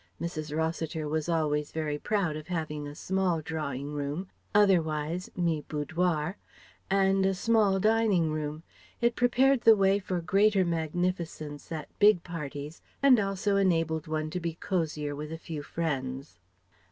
Mrs. Rossiter was always very proud of having a small drawing room (otherwise, "me boudwor") and a small dining room. It prepared the way for greater magnificence at big parties and also enabled one to be cosier with a few friends.